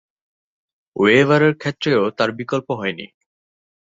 Weber -এর ক্ষেত্রেও তার বিকল্প হয়নি।